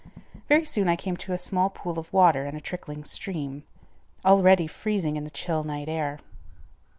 Very soon I came to a small pool of water and a trickling stream, already freezing in the chill night air.